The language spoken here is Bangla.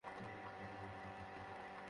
ঐ, দ্রুত টাকা কামানোর দরকার ছিল।